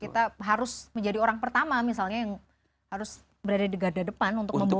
kita harus menjadi orang pertama misalnya yang harus berada di garda depan untuk membuat